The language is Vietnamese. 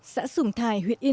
xã sửng thài huyện yên